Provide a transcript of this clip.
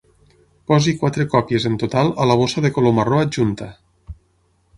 Posi quatre còpies en total a la bossa de color marró adjunta.